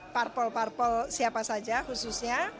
parpol parpol siapa saja khususnya